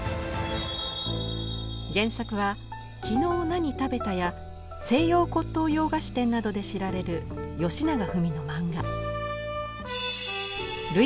原作は「きのう何食べた？」や「西洋骨董洋菓子店」などで知られるよしながふみの漫画。